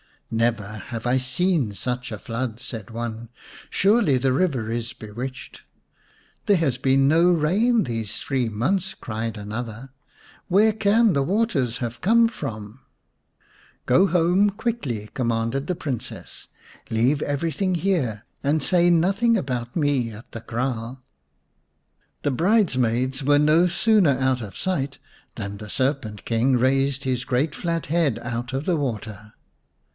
" Never have I seen such a flood," said one ;" surely the river is bewitched." " There has been no rain these three months," cried another ;" where can the waters have come from ?"" Go home quickly," commanded the Princess. "Leave everything here and say nothing about me at the kraal." The bridesmaids were no sooner out of sight than the Serpent King raised his great flat head out of the water.